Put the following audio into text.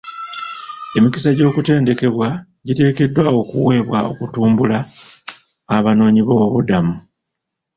Emikisa gy'okutendekebwa giteekeddwa okuweebwa okutumbula abanoonyiboobubuddamu .